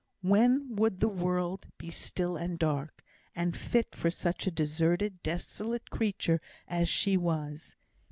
When would the world be still and dark, and fit for such a deserted, desolate creature as she was?